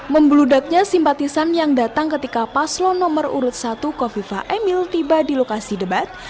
membeludaknya simpatisan yang datang ketika paslon nomor urut satu kofifa emil tiba di lokasi debat